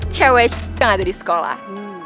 cewek yang ada di sekolah